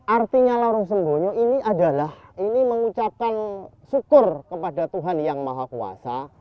artinya larung semboyo ini adalah ini mengucapkan syukur kepada tuhan yang maha kuasa